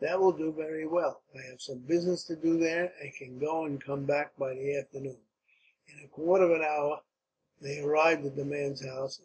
"That will do very well. I have some business to do there, and can go and come back by the afternoon." In a quarter of an hour they arrived at the man's house.